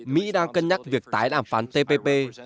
mỹ đang cân nhắc việc tái đàm phán tpp